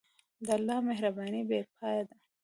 د الله مهرباني بېپایه ده.